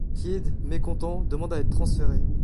Kidd, mécontent, demande à être transféré.